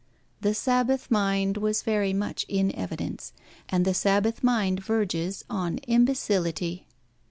The Sabbath mind was very much in evidence, and the Sabbath mind verges on imbecility.